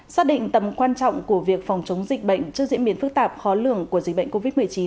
xác định tầm quan trọng của việc phòng chống dịch bệnh trước diễn biến phức tạp khó lường của dịch bệnh covid một mươi chín